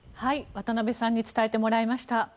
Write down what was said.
渡辺さんに伝えてもらいました。